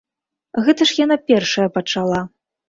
Гэта ж яна першая пачала.